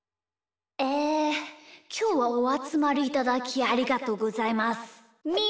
えきょうはおあつまりいただきありがとうございます。